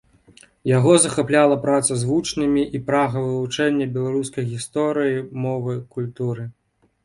Яго захапляла праца з вучнямі і прага вывучэння беларускай гісторыі, мовы, культуры.